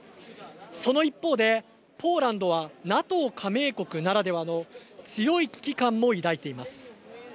その一方でポーランドはＮＡＴＯ加盟国ならではの強い危機感も抱いています。